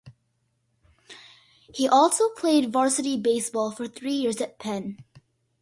He also played varsity baseball for three years at Penn.